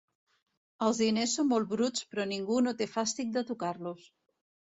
Els diners són molt bruts, però ningú no té fàstic de tocar-los.